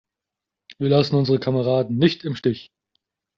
Wir lassen unsere Kameraden nicht im Stich!